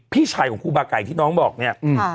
พี่ช่ายครูบาไก่น้องบอกเนี่ย